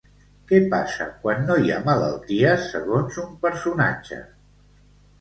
Què passa, quan no hi ha malalties, segons un personatge?